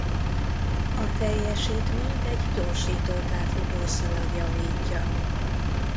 A teljesítményt egy gyorsítótár-futószalag javítja.